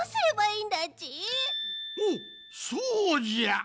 おおそうじゃ！